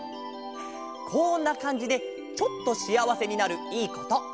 こんなかんじでちょっとしあわせになるいいこと。